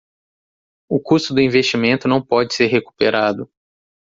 O custo do investimento não pode ser recuperado